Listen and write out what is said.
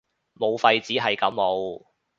武肺只係感冒